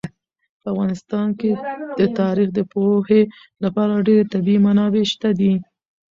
په افغانستان کې د تاریخ د پوهې لپاره ډېرې طبیعي منابع شته دي.